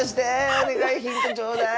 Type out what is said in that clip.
お願いヒントちょうだい！